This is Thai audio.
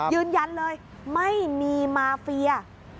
ยืนยันเลยไม่มีมาเฟีย